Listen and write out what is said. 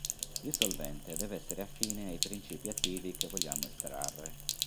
Il solvente deve essere affine ai principi attivi che vogliamo estrarre.